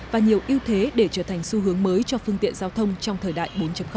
và nhiều ưu thế để trở thành xu hướng mới cho phương tiện giao thông trong thời đại bốn